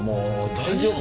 大丈夫？